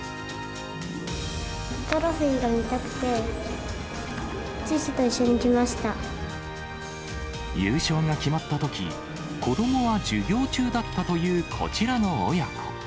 トロフィーが見たくて、優勝が決まったとき、子どもは授業中だったというこちらの親子。